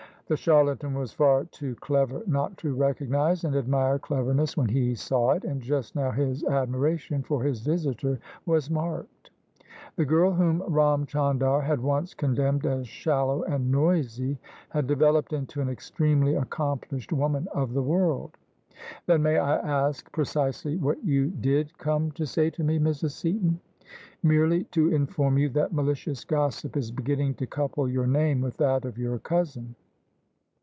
The charlatan was far too clever not to recognise and admire cleverness when he saw it: and just now his admira tion for his visitor was marked. The girl whom Ram Chandar had once condemned as shallow and noisy had developed into an extremely accomplished woman of the world. " Then may I ask precisely what you did come to say to me, Mrs. Seaton? *'" Merely to inform you that malicious gossip is beginning to couple your name with that of your cousin."